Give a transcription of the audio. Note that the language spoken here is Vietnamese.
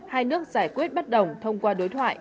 hai nước giải quyết bất đồng thông qua đối thoại